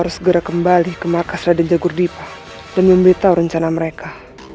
harus segera kembali ke makasra dan jagur dipa dan memberitahu rencana mereka